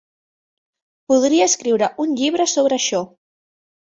Podria escriure un llibre sobre això.